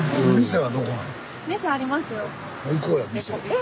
え